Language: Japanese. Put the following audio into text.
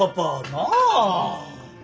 なあ！